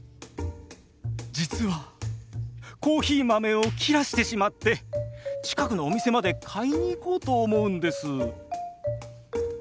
実はコーヒー豆を切らしてしまって近くのお店まで買いに行こうと思うんです。